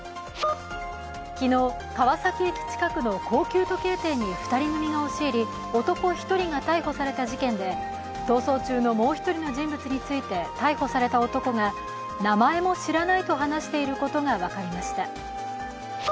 昨日、川崎駅近くの高級時計店に２人組が押し入り男１人が逮捕された事件で逃走中のもう一人の人物について逮捕された男が名前も知らないと話していることが分かりました。